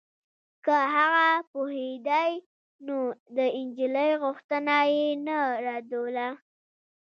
که هغه پوهېدای نو د نجلۍ غوښتنه يې نه ردوله.